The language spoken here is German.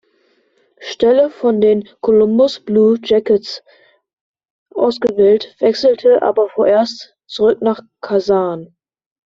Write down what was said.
Stelle von den Columbus Blue Jackets ausgewählt, wechselte aber vorerst zurück nach Kasan.